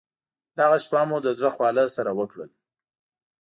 دغه شپه مو د زړه خواله سره وکړل.